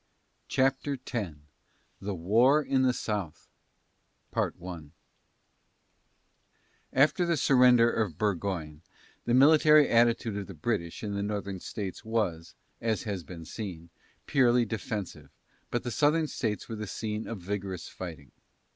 CHAPTER X THE WAR IN THE SOUTH After the surrender of Burgoyne, the military attitude of the British in the Northern States was, as has been seen, purely defensive, but the Southern States were the scene of vigorous fighting.